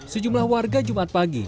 sejumlah warga jumat pagi